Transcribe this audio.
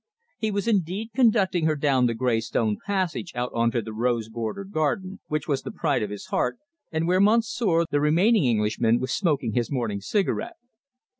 He was indeed conducting her down the grey stone passage out on to the rose bordered garden, which was the pride of his heart, and where monsieur, the remaining Englishman, was smoking his morning cigarette.